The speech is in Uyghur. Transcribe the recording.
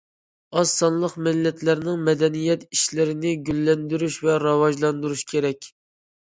ئاز سانلىق مىللەتلەرنىڭ مەدەنىيەت ئىشلىرىنى گۈللەندۈرۈش ۋە راۋاجلاندۇرۇش كېرەك.